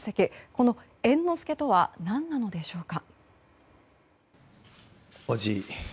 この猿之助とは何なのでしょうか。